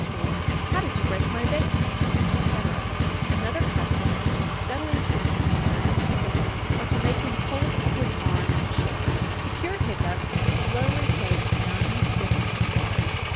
or, "How did you break my vase?" etc. Another custom is to steadily point a finger at the hiccougher, or to make him hold up his arm and shake it. 849. To cure hiccoughs, slowly take nine sips of water.